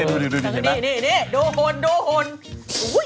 อาจจะดีดูเนี่ยดูทน